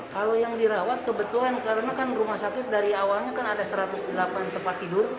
kalau yang dirawat kebetulan karena kan rumah sakit dari awalnya kan ada satu ratus delapan tempat tidur